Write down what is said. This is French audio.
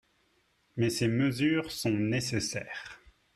Mais ces mesures sont nécessaires.